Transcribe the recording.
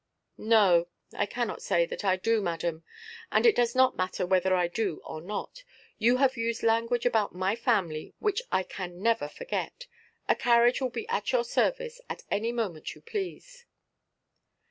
"No, I cannot say that I do, madam. And it does not matter whether I do or not. You have used language about my family which I can never forget. A carriage will be at your service at any moment you please."